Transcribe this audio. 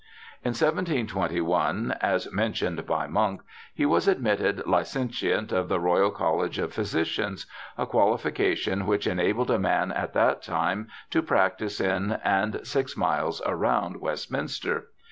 In 1721, as mentioned by Munk, he was admitted Licentiate of the Royal College of Physicians, a qualifi cation which enabled a man at that time to practise in and six miles round Westminster.